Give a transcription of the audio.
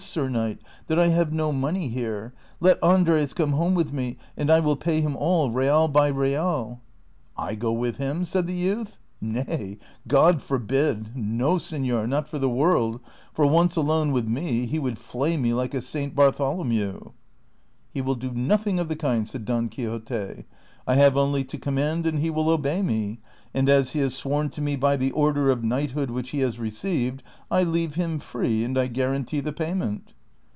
Sir Knight,^ that I have no money here ; let Andres come home with me, and I will pay him all, real by real." " I go with him !" said the youth. " Nay, God forbid ! no, senor, not for the woidd ; for once alone with me, he would flay me like a Saint P>artholomew." " He will do nothing of the kind," said Don Quixote ;" I have only to command, and he will obey me ; and as he has sworn to me by the order of knighthood which he has received, I leave him free, and I guarantee the payment.'"